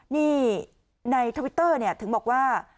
นี่ในทวิตเตอร์ถึงบอกว่า